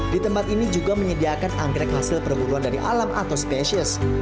di tempat ini juga menyediakan anggrek hasil perburuan dari alam atau spesies